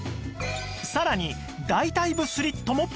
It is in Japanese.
さらに大腿部スリットもポイント